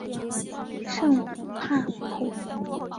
圣帕普。